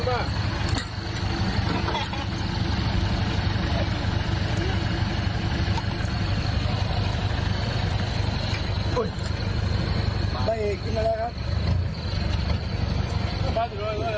ได้เอกกินมาแล้วครับ